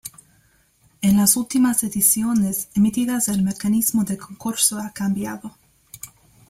En las últimas ediciones emitidas el mecanismo del concurso ha cambiado.